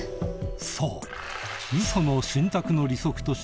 そう！